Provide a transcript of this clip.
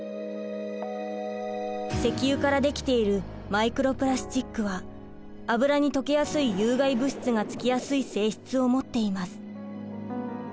石油から出来ているマイクロプラスチックは油に溶けやすい有害物質が付きやすい性質を持っています。